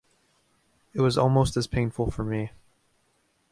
It was almost as painful for me.